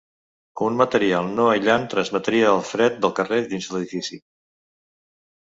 Un material no aïllant transmetria el fred del carrer dins l'edifici.